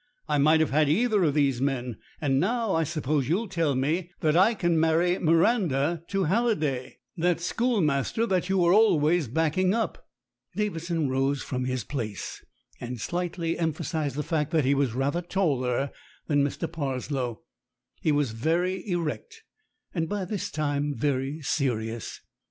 I might have had either of these men. And now, I suppose, you'll tell me that I can marry Miranda to Halliday, 47 that schoolmaster that you were always backing up." Davidson rose from his place, and slightly empha sized the fact that he was rather taller than Mr. Pars low. He was very erect, and by this time very serious.